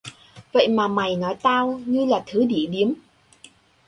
vậy mà mày nói tao như là thứ đĩ điếm